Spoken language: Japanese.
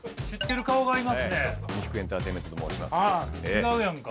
違うやんか。